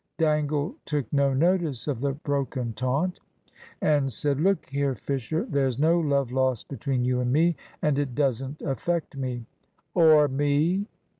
Dangle took no notice of the broken taunt, and said "Look here, Fisher. There's no love lost between you and me, and it doesn't affect me." "Or me."